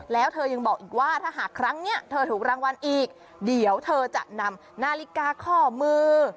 แล้วเธอยังบอกอีกว่าถ้าหากครั้งนี้เธอถูกรางวัลอีกเดี๋ยวเธอจะนำนาฬิกาข้อมือ